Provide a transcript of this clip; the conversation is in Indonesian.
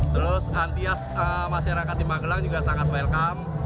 terus antuas masyarakat di magelang juga sangat welcome